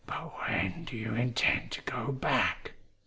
"But when do you intend to go back?"